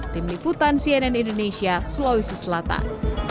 tim liputan cnn indonesia sulawesi selatan